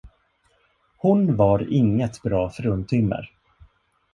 Hon var inget bra fruntimmer.